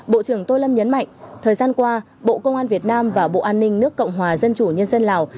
bộ trưởng tô lâm nhấn mạnh thời gian qua bộ công an việt nam và bộ an ninh nước cộng hòa dân chủ nhân dân lào